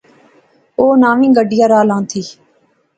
اوہ نویں گڈیا راں لیتھِی